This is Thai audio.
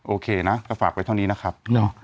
โอเคนะก็ฝากไว้เท่านี้นะครับ